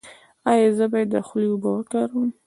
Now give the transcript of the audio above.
ایا زه باید د خولې اوبه وکاروم؟